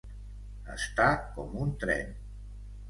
Estar com un tren.